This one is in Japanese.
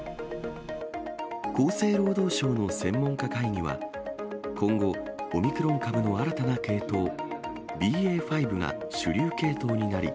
厚生労働省の専門家会議は、今後、オミクロン株の新たな系統、ＢＡ．５が主流系統になり、